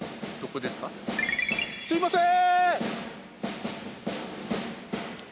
すいません！